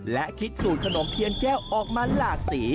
และคิดสูตรขนมเทียนแก้วออกมาหลากสี